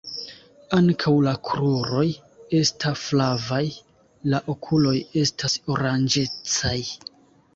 Ankaŭ la kruroj esta flavaj, La okuloj estas oranĝecaj.